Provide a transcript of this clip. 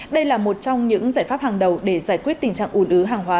đây là một trong những giải pháp hàng đầu để giải quyết tình trạng ủn ứ hàng hóa